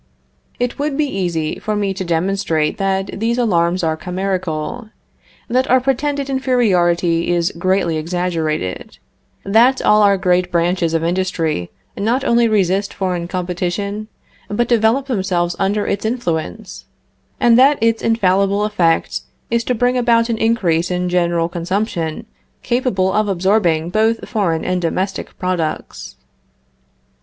It would be easy for me to demonstrate that these alarms are chimerical; that our pretended inferiority is greatly exaggerated; that all our great branches of industry not only resist foreign competition, but develop themselves under its influence, and that its infallible effect is to bring about an increase in general consumption capable of absorbing both foreign and domestic products.